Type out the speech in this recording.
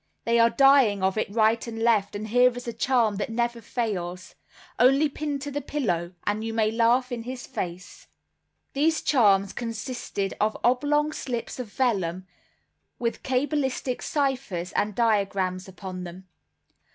"They are dying of it right and left and here is a charm that never fails; only pinned to the pillow, and you may laugh in his face." These charms consisted of oblong slips of vellum, with cabalistic ciphers and diagrams upon them.